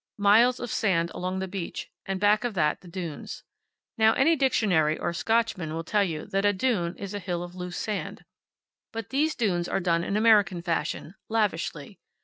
Miles of sand along the beach, and back of that the dunes. Now, any dictionary or Scotchman will tell you that a dune is a hill of loose sand. But these dunes are done in American fashion, lavishly.